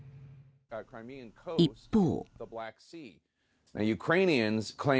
一方。